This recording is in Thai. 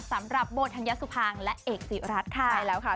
สำหรับโบธัญสุภางและเอกศิรัตน์ค่ะใช่แล้วค่ะ